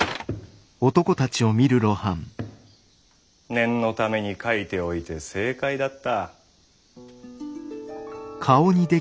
念のために書いておいて正解だった。